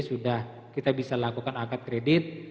sudah kita bisa lakukan angkat kredit